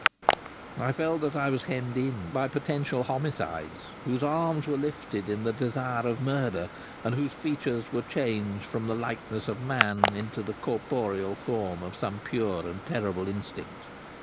I felt that I was hemmed in by potential homicides, whose arms were lifted in the desire of murder and whose features were changed from the likeness of man into the corporeal form of some pure and terrible instinct.